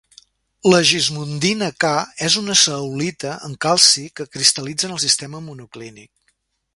La gismondina-Ca és una zeolita amb calci que cristal·litza en el sistema monoclínic.